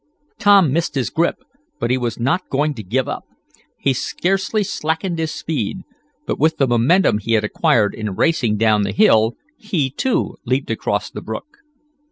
Tom missed his grip, but he was not going to give up. He scarcely slackened his speed, but, with the momentum he had acquired in racing down the hill, he, too, leaped across the brook.